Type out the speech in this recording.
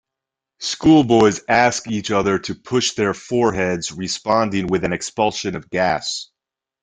Schoolboys ask each other to push their foreheads, responding with an expulsion of gas.